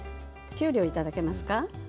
きゅうりをいただけますか。